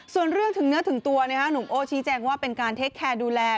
ส่วนเรื่องถึงเนื้อถึงตัวหนุ่มโอ้ชี้แจงว่าเป็นการเทคแคร์ดูแล